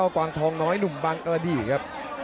กวางทองน้อยหนุ่มบางกระดิ่งครับ